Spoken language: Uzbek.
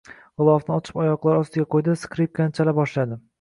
Gʻilofni ochib oyoqlari ostiga qoʻydi-da, skripkasini chala boshladi